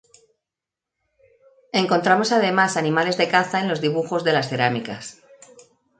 Encontramos además animales de caza en los dibujos de las cerámicas.